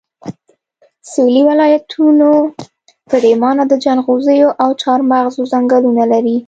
سويلي ولایتونه پرېمانه د جنغوزیو او چارمغزو ځنګلونه لري